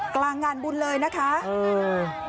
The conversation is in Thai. กลางงานบุญเลยนะคะอืม